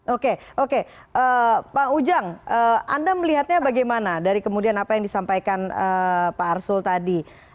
oke oke pak ujang anda melihatnya bagaimana dari kemudian apa yang disampaikan pak arsul tadi